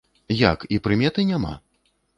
Як, і прыметы няма?